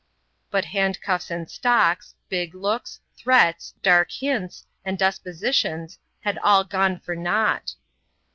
But handcuffs and stocks, big looks, threats, dark hints, and depositions, had all gone for nought.